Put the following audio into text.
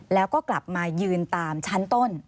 แล้วก็กลับมายืนตามชั้นต้น